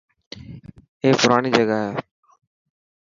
اي پراڻي جگاهي .